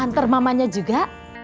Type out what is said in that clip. anter mamanya juga